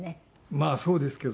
まあそうですけど。